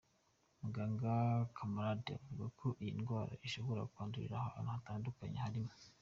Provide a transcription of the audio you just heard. Muganga Camarade avuga ko iyi ndwara ishobora kwandurira ahantu hatandukanye harimo:.